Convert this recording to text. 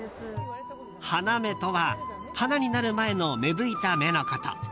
花芽とは花になる前の芽吹いた芽のこと。